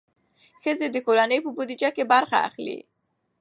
ښځې د کورنۍ په بودیجه کې برخه اخلي.